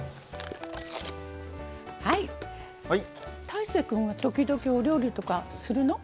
大晴君は時々、お料理とかするの？